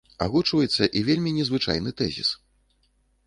Агучваецца і вельмі незвычайны тэзіс.